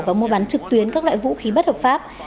và mua bán trực tuyến các loại vũ khí bất hợp pháp